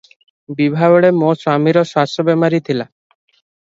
ବିଭାବେଳେ ମୋ ସ୍ୱାମୀର ଶ୍ୱାସ ବେମାରୀ ଥିଲା ।